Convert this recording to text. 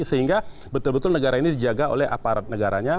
sehingga betul betul negara ini dijaga oleh aparat negaranya